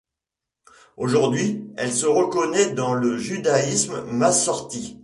Aujourd'hui, elle se reconnaît dans le judaïsme massorti.